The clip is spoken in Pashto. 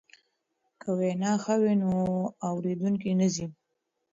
که وینا ښه وي نو اوریدونکی نه ځي.